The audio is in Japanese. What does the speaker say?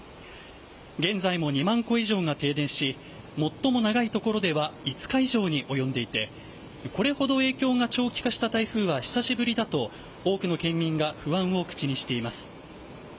現在も２万戸以上が停電し最も長い所では５日以上に及んでいてこれほど影響が長期化した台風は久しぶりだと多くの県民が不安を口にしています。